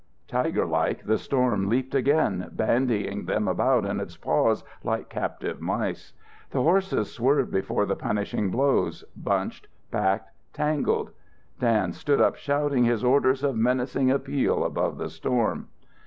Tiger like the storm leaped again, bandying them about in its paws like captive mice. The horses swerved before the punishing blows, bunched, backed, tangled. Dan stood up shouting his orders of menacing appeal above the storm.